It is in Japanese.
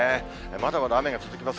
まだまだ雨が続きます。